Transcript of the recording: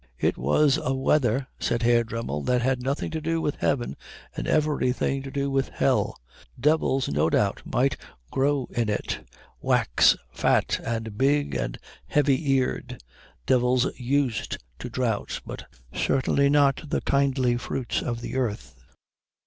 "It was a weather," said Herr Dremmel, "that had nothing to do with heaven and everything to do with hell. Devils no doubt might grow in it, wax fat and big and heavy eared, devils used to drought, but certainly not the kindly fruits of the earth."